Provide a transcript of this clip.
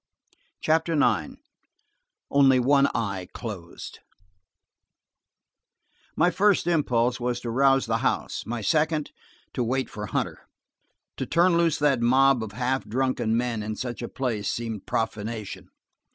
CHAPTER IX ONLY ONE EYE CLOSED MY FIRST impulse was to rouse the house; my second, to wait for Hunter. To turn loose that mob of half drunken men in such a place seemed profanation.